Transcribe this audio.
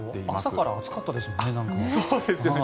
朝から暑かったですもんね。